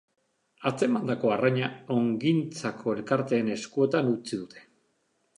Atzemandako arraina ongintzako elkarteen eskuetan utzi dute.